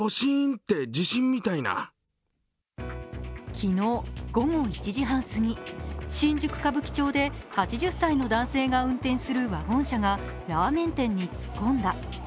昨日午後１時半過ぎ、新宿・歌舞伎町で８０歳の男性が運転するワゴン車がラーメン店に突っ込んだ。